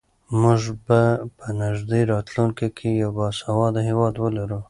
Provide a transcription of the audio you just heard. موږ به په نږدې راتلونکي کې یو باسواده هېواد ولرو.